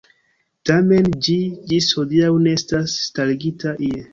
Tamen ĝi ĝis hodiaŭ ne estas starigita ie.